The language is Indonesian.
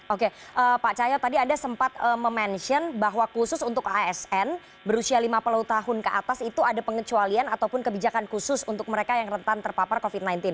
oke pak cahyo tadi anda sempat mention bahwa khusus untuk asn berusia lima puluh tahun ke atas itu ada pengecualian ataupun kebijakan khusus untuk mereka yang rentan terpapar covid sembilan belas